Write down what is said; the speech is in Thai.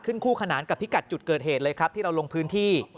คู่ขนานกับพิกัดจุดเกิดเหตุเลยครับที่เราลงพื้นที่